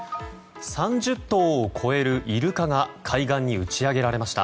３０頭を超えるイルカが海岸に打ち揚げられました。